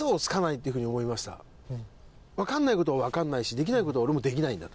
わかんない事はわかんないしできない事は俺もできないんだと。